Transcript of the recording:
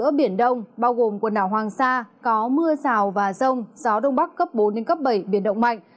trong vùng biển đông bao gồm quần đảo hoàng sa có mưa rào và giông gió đông bắc cấp bốn đến cấp bảy biển động mạnh